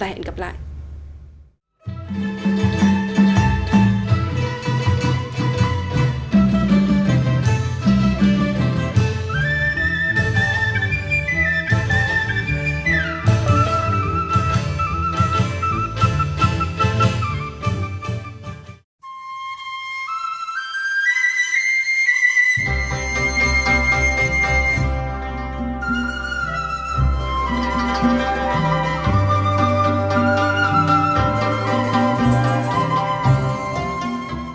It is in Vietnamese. hẹn gặp lại các bạn trong những video tiếp theo